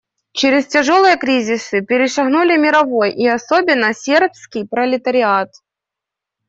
Через тяжелые кризисы перешагнули мировой и особенно сербский пролетариат.